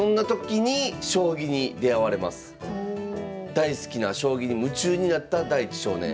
大好きな将棋に夢中になった大地少年。